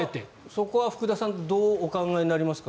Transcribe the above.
そこは福田さんどうお考えになりますか。